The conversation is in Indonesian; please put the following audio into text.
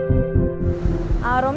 iya kita gak maksa john